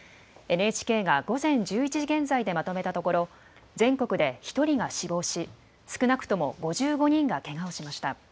ＮＨＫが午前１１時現在でまとめたところ、全国で１人が死亡し、少なくとも５５人がけがをしました。